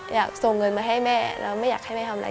อยากส่งเงินมาให้แม่แล้วไม่อยากให้แม่ทำอะไร